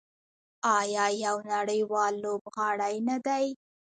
آیا یو نړیوال لوبغاړی نه دی؟